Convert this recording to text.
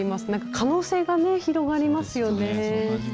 可能性が広がりますよね。